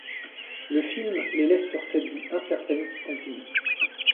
Le film les laisse sur cette vie incertaine qui continue.